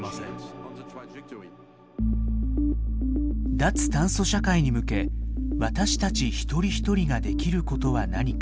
脱炭素社会に向け私たち一人一人ができることは何か。